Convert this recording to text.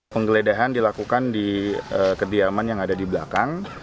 penggeledahan dilakukan di kediaman yang ada di belakang